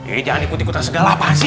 eh jangan ikut ikutan segala apaan sih